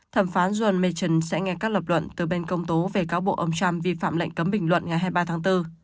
thẩm phán john metchon sẽ nghe các lập luận từ bên công tố về cáo buộc ông trump vi phạm lệnh cấm bình luận ngày hai mươi ba tháng bốn